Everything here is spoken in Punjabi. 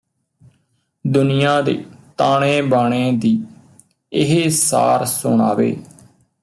ਦੁਨੀਆਂ ਦੇ ਤਾਣੇ ਬਾਣੇ ਦੀ ਇਹ ਸਾਰ ਸੁਣਾਵੇ